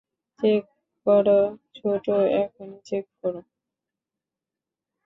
Check কর, ছোটু, এখনি check কর।